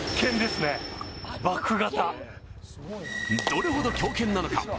どれほど強肩なのか？